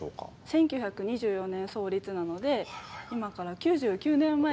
１９２４年創立なので今から９９年前になるんですけど。